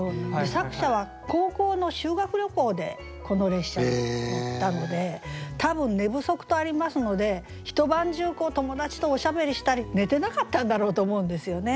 作者は高校の修学旅行でこの列車に乗ったので多分「寝不足」とありますので一晩中友達とおしゃべりしたり寝てなかったんだろうと思うんですよね。